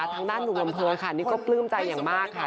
ทางด้านหนุ่มลำเภยค่ะนี่ก็ปลื้มใจอย่างมากค่ะ